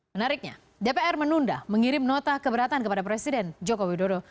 menariknya dpr menunda mengirim nota keberatan kepada presiden joko widodo